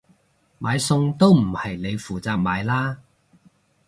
買餸都唔係你負責買啦？